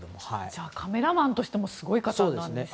じゃあカメラマンとしてもすごい方なんですね。